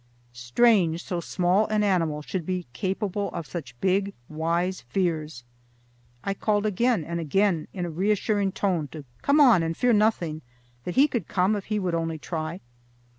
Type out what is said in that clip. Strange so small an animal should be capable of such big, wise fears. I called again and again in a reassuring tone to come on and fear nothing; that he could come if he would only try.